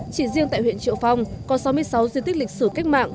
chỉ riêng tại huyện triệu phong có sáu mươi sáu diện tích lịch sử kích mạng